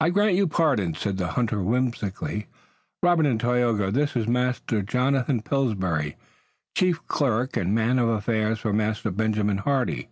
"I grant you pardon," said the hunter whimsically. "Robert and Tayoga, this is Master Jonathan Pillsbury, chief clerk and man of affairs for Master Benjamin Hardy.